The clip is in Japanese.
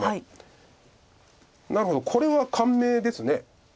なるほどこれは簡明です。